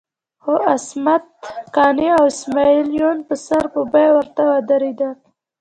خو عصمت قانع او اسماعیل یون په سر په بیه ورته ودرېدل.